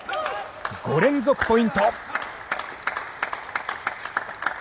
５連続ポイント。